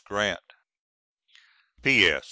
GRANT. P.S.